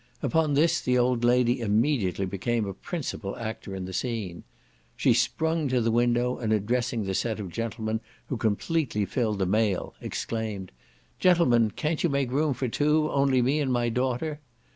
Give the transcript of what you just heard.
Upon this the old lady immediately became a principal actor in the scene. She sprung to the window, and addressing the set of gentlemen who completely filled the mail, exclaimed "Gentlemen! can't you make room for two? only me and my daughter?"